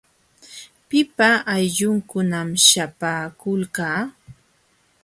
¿Pipa aylllunkunam śhapaakulqa?